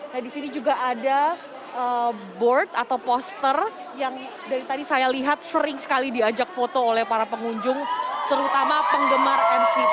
nah di sini juga ada board atau poster yang dari tadi saya lihat sering sekali diajak foto oleh para pengunjung terutama penggemar nct